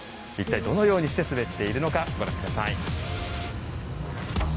一体どのようにして滑っているのかご覧下さい。